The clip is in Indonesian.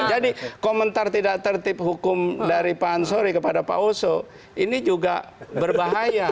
jadi komentar tidak tertib hukum dari pak ansori kepada pak oso ini juga berbahaya